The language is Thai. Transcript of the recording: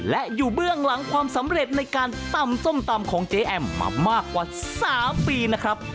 และอยู่เบื้องหลังความสำเร็จในการตำส้มตำของเจ๊แอมมามากกว่า๓ปีนะครับ